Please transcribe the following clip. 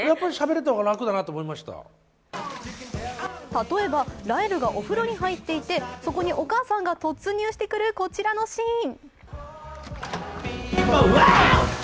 例えばライルがお風呂に入っていてそこにお母さんが突入してくるこちらのシーン。